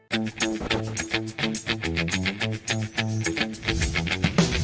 ตอนนี้คุณผู้ชมอยู่กับดิฉันใบตองรัชตวรรณเพื่อชนุกรุณค่ะ